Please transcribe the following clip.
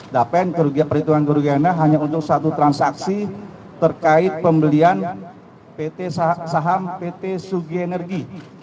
dapen perhitungan kerugiana hanya untuk satu transaksi terkait pembelian pt saham pt sugienergi